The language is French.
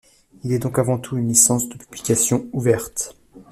Elle est donc avant tout une licence de publication ouverte.